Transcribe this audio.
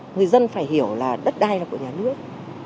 người dân phải hiểu là đất đai là của nhà nước